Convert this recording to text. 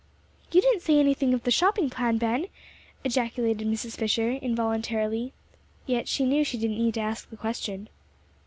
"You didn't say anything of the shopping plan, Ben?" ejaculated Mrs. Fisher, involuntarily, yet she knew she didn't need to ask the question.